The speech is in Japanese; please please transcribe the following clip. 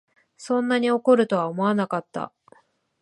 そんなに怒るとは思わなかった